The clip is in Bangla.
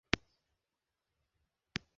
কেন সে বলবে এরকম?